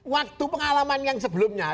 waktu pengalaman yang sebelumnya